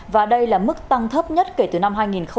và đây là mức tăng thấp nhất kể từ năm